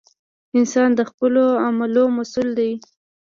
• انسان د خپلو اعمالو مسؤل دی.